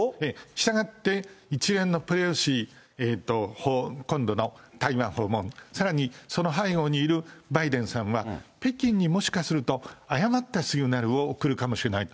従って、一連のペロシ、今度の台湾訪問、さらにその背後にいるバイデンさんは、北京にもしかすると誤ったシグナルを送るかもしれない。